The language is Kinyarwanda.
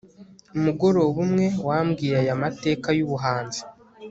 umugoroba umwe, wambwiye aya mateka yubuhanzi